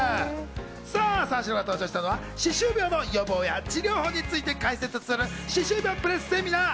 さあ、三四郎が登場したのは歯周病の予防や治療法について解説する歯周病プレスセミナー。